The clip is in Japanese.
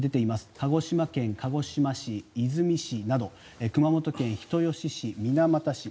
鹿児島県鹿児島市、出水市など熊本県人吉市、水俣市。